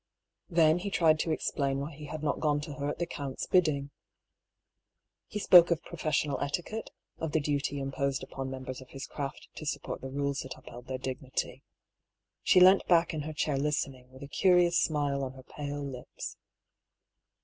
Then he tried to explain why he had not gone to her at the count's bidding. He spoke of professional eti quette, of the duty imposed upon members of his craft to support the rules that upheld their dignity. She leant back in her chair listening, with a curious smile on her pale lips.